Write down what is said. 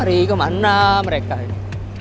lari kemana mereka ini